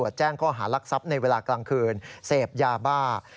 แจ้งข้อหารักทรัพย์ในเวลากลางคืนเสพยาบ้า